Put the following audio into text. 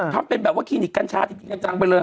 ทำเป็นแบบว่าคลินิกกัญชาที่มีกัญชาไปเลย